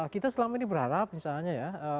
kita selama ini berharap misalnya ya